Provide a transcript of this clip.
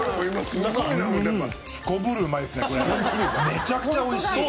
めちゃくちゃ美味しい！